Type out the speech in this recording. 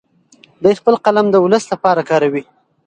دی خپل قلم د ولس لپاره کاروي.